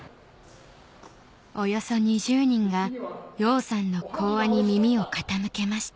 およそ２０人が洋さんの講話に耳を傾けました